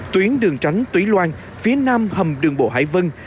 tuyến đường tránh túy loan phía nam hầm đường bộ hải vân